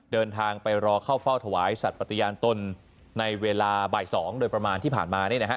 เดินทางไปรอเข้าเฝ้าถวายสัตว์ปฏิญาณตนในเวลาบ่าย๒โดยประมาณที่ผ่านมา